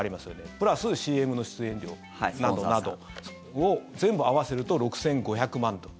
プラス、ＣＭの出演料などなどを全部合わせると６５００万ドル。